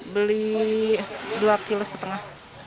beli dua kilo setengah